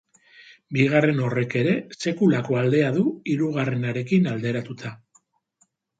Bigarren horrek ere sekulako aldea du hirugarrenarekin alderatuta.